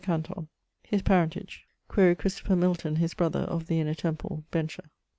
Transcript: a canton....'> <_His parentage._> Quaere Christopher Milton, his brother, of the Inner Temple, bencher.